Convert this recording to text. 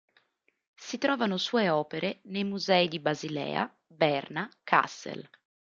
Si trovano sue opere nei musei di Basilea, Berna, Kassel.